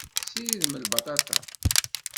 Tessiridem lbaṭaṭa.